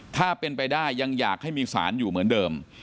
ถ้าเป็นไปได้ยังอยากให้มีสารอยู่เหมือนเดิม